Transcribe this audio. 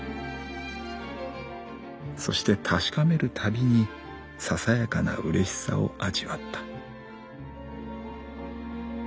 そして確かめるたびにささやかな嬉しさを味わった」。